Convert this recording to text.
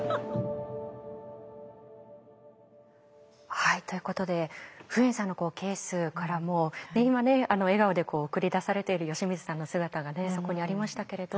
はいということでフエンさんのケースからも今ね笑顔で送り出されている吉水さんの姿がそこにありましたけれど。